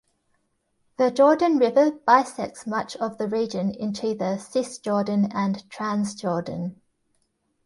The Jordan River bisects much of the region into the Cisjordan and Transjordan.